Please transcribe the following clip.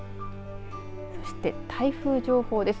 そして台風情報です。